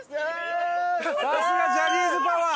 さすがジャニーズパワー！